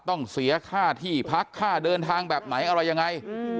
ต้องเสียค่าที่พักค่าเดินทางแบบไหนอะไรยังไง